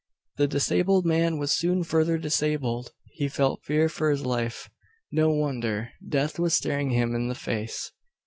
The disabled man was soon further disabled. He felt fear for his life. No wonder death was staring him in the face.